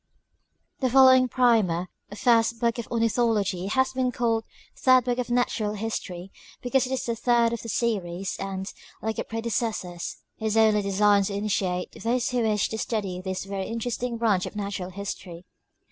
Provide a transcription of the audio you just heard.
The following Primer, or First Book of Ornithology, has been called Third Book of Natural History, because it is the third of the series, and, like its predecessors, is only designed to initiate those who wish to 'study this Tery interesting braneb of Natural History.